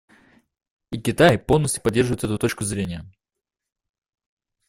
И Китай полностью поддерживает эту точку зрения.